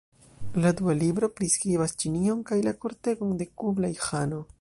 La dua libro priskribas Ĉinion kaj la kortegon de Kublaj-Ĥano.